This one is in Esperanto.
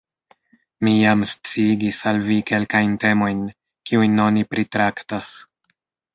Mi jam sciigis al vi kelkajn temojn, kiujn oni pritraktas.